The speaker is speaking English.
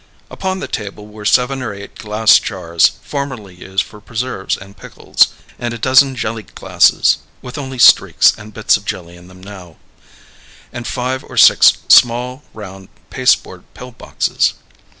Upon the table were seven or eight glass jars, formerly used for preserves and pickles, and a dozen jelly glasses (with only streaks and bits of jelly in them now) and five or six small round pasteboard pill boxes.